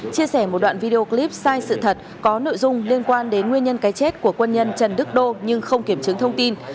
chia sẻ một đoạn video clip sai sự thật có nội dung liên quan đến nguyên nhân cái chết của quân nhân trần đức đô nhưng không kiểm chứng thông tin